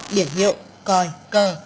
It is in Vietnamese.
điển hiệu coi cờ